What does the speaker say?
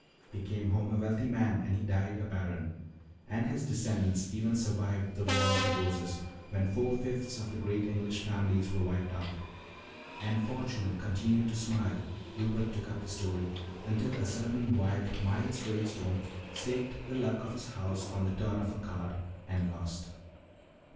He came home a wealthy man and he died a Baron. And his descendants even survived the Wars of the Roses when four fifths of the great English families were wiped out." "'And fortune continued to smile,'" Rupert took up the story, "'until a certain wild Miles Ralestone staked the Luck of his house on the turn of a card and lost.'"